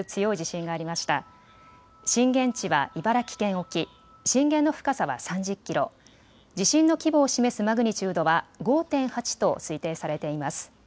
震源地は茨城県沖、震源の深さは３０キロ、地震の規模を示すマグニチュードは５．８と推定されています。